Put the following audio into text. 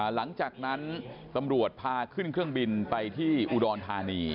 หลังจากนั้นตำรวจพาขึ้นเครื่องบินไปที่อุดรธานี